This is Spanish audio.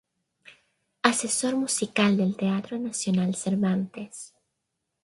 Asesor Musical del Teatro Nacional Cervantes.